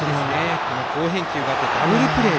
好返球があってダブルプレー。